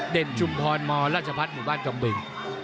เด่นชุมธรรมราชพัฒน์หมู่บ้านจำบึง